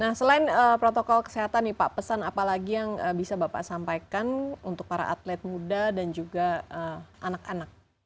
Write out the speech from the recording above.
nah selain protokol kesehatan nih pak pesan apa lagi yang bisa bapak sampaikan untuk para atlet muda dan juga anak anak